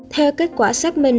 theo kết quả